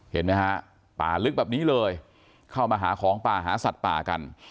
เห็นไหมฮะป่าลึกแบบนี้เลยเข้ามาหาของป่าหาสัตว์ป่ากัน